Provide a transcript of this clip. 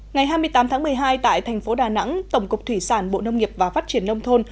ngày hai mươi tám tháng một mươi hai tại thành phố đà nẵng tổng cục thủy sản bộ nông nghiệp và phát triển nông thôn